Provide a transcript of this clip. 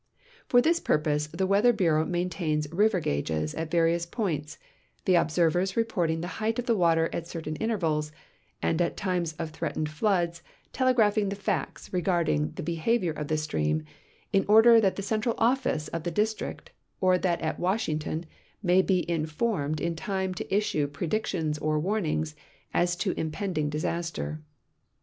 For this pur])ose the Weather Bureau maintains river gauges at various points, the observers reporting the height of water at certain intervals, and at times of threatened floods telegraphing the facts regarding the behavior HYDROGRAPHY IN THE UNITED STATES 147 of the stream, in order that the central office of the district or that at Washington may be informed in time to issue predictions or warnings as to impending disaster.